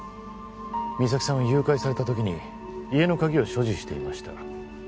実咲さんは誘拐された時に家の鍵を所持していました